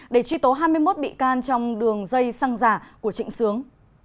để truy tố hai mươi một bị can trong đường dây xăng giả của trịnh sướng